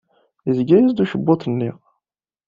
Yezga-as-d ukebbuḍ-nni?